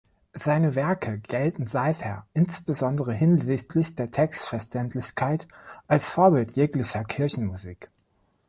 Seine Werke gelten seither insbesondere hinsichtlich der Textverständlichkeit als Vorbild jeglicher Kirchenmusik.